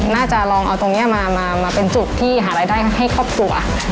น่าจะลองเอาตรงนี้มาเป็นจุดที่หารายได้ให้ครอบครัว